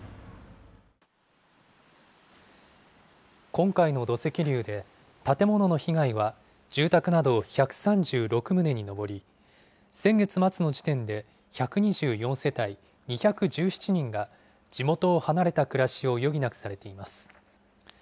今回の土石流で、建物の被害は住宅など１３６棟に上り、先月末の時点で１２４世帯２１７人が、地元を離れた暮らしを余儀なくされています。